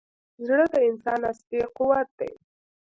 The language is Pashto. زړه د انسان اصلي قوت دی.